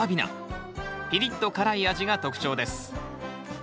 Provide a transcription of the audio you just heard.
ピリッと辛い味が特徴です。